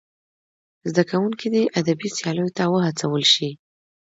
زدهکوونکي دې ادبي سیالیو ته وهڅول سي.